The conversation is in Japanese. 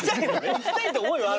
行きたいって思いはあるんだ。